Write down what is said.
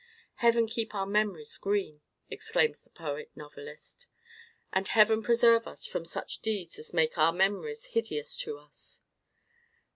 Heaven keep our memories green! exclaims the poet novelist; and Heaven preserve us from such deeds as make our memories hideous to us!